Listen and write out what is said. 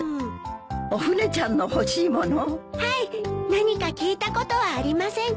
何か聞いたことはありませんか？